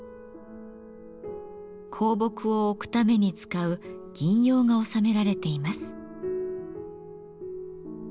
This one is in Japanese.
香木を置くために使う「銀葉」が収められています。